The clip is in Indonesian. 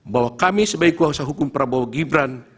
bahwa kami sebagai kuasa hukum prabowo gibran